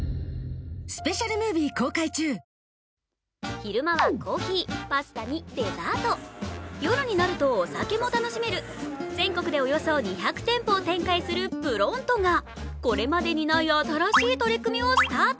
昼間はコーヒー、パスタにデザート、夜になるとお酒も楽しめる全国でおよそ２００店舗を展開するＰＲＯＮＴＯがこれまでにない新しい取り組みをスタート。